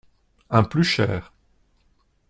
Un plus cher.